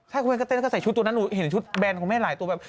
ถ้าคุณแม่ก็เต้นก็ใส่ชุดตัวนั้นหนูเห็นชุดแบนของแม่หลายตัวแบบ